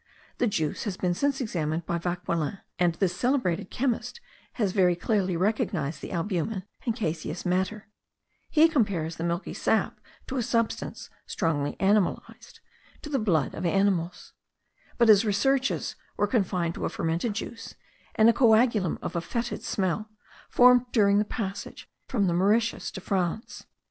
The juice has been since examined by Vauquelin, and this celebrated chemist has very clearly recognized the albumen and caseous matter; he compares the milky sap to a substance strongly animalized to the blood of animals; but his researches were confined to a fermented juice and a coagulum of a fetid smell, formed during the passage from the Mauritius to France.